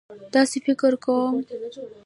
داسې فکر کوم.